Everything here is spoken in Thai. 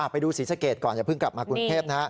ไปดูศรีสเกตก่อนอย่าเพิ่งกลับคุณครูทรีป